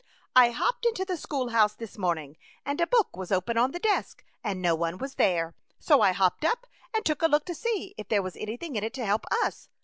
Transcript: " I hopped into the schoolhouse this morning, and a book was open on the desk, and no one was there, so I hopped up and took a look to see if there was anything in it to help us.